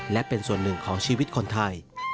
และเป็นส่วนหนึ่งของชีวิตคนไทย